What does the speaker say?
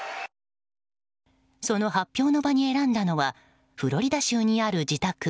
その発表の場に選んだのはフロリダ州にある自宅